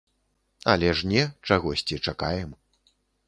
Але ж не, чагосьці чакаем.